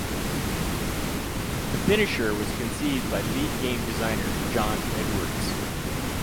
The finisher was conceived by lead game designer John Edwards.